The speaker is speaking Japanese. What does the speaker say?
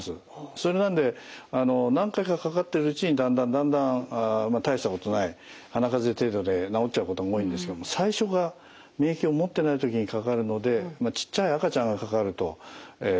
それなんで何回かかかってるうちにだんだんだんだん大したことない鼻風邪程度で治っちゃうことも多いんですけども最初が免疫を持ってない時にかかるのでちっちゃい赤ちゃんがかかると重くなりやすい。